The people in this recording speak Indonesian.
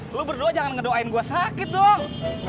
lu berdua jangan ngedoain gue sakit dong